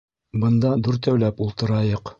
Бында дүртәүләп ултырайыҡ